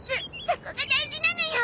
そこが大事なのよ！